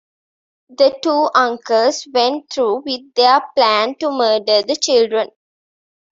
The two uncles went through with their plan to murder the children.